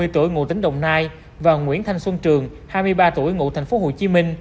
hai mươi tuổi ngụ tính đồng nai và nguyễn thanh xuân trường hai mươi ba tuổi ngụ tp hcm